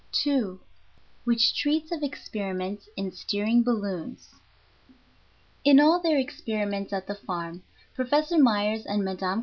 II WHICH TREATS OF EXPERIMENTS IN STEERING BALLOONS IN all their experiments at the farm, Professor Myers and Mme.